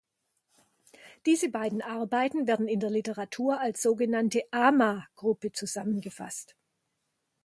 Diese beiden Arbeiten werden in der Literatur als sogenannte Ama…-Gruppe zusammengefasst.